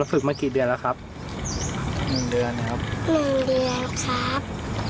ฝึกมากี่เดือนแล้วครับหนึ่งเดือนครับหนึ่งเดือนครับ